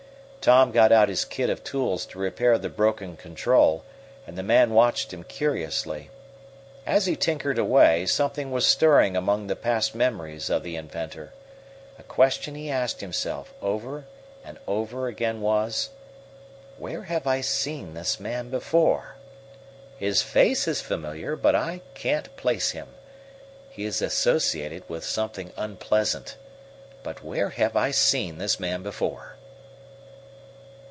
Tom got out his kit of tools to repair the broken control, and the man watched him curiously. As he tinkered away, something was stirring among the past memories of the inventor. A question he asked himself over and over again was: "Where have I seen this man before? His face is familiar, but I can't place him. He is associated with something unpleasant. But where have I seen this man before?"